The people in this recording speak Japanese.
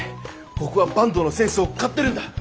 僕は坂東のセンスを買ってるんだ。